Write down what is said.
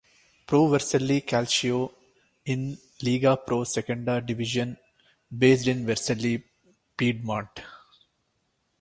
Pro Vercelli Calcio in Lega Pro Seconda Divisione, based in Vercelli, Piedmont.